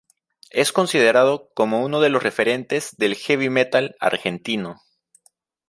Es considerado como uno de los referentes del "heavy metal" argentino.